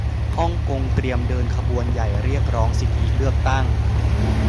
ฮ่องกงเตรียมเดินขบวนใหญ่เรียกร้องสิทธิเลือกตั้ง